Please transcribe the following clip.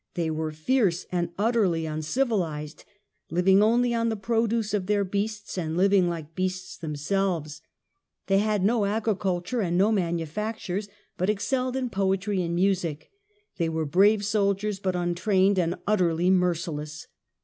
They were fierce and utterly uncivilized, " living only on the produce of their beasts, and living like beasts themselves ". They had no agriculture and no manufactures, but excelled in poetry and music; they were brave soldiers, but untrained, and utterly merciless.